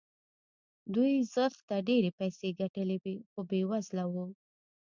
دوی زښته ډېرې پيسې ګټلې وې خو بې وزله وو.